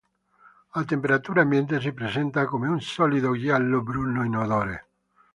A temperatura ambiente si presenta come un solido giallo-bruno inodore.